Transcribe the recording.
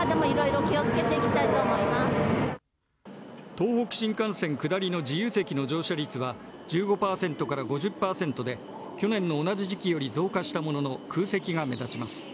東北新幹線下りの自由席の乗車利率は１５％から５０％で去年の同じ時期より増加したものの空席が目立ちます。